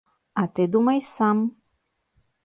А ты думай сам.